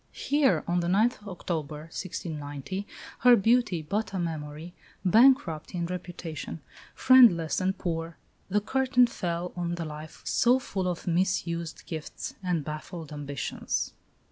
Here, on the 9th October, 1690, her beauty but a memory, bankrupt in reputation, friendless and poor, the curtain fell on the life so full of mis used gifts and baffled ambitions.